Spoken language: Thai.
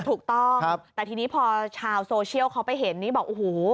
ถูกต้องแต่ทีนี้พอชาวโซเชียลเขาไปเห็นนี่บอกโอ้โห